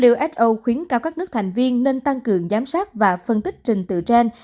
who khuyến cao các nước thành viên nên tăng cường giám sát và phân tích trình tự trên